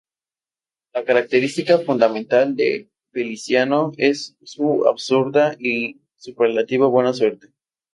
La característica fundamental de "Feliciano" es su absurda y superlativa buena suerte.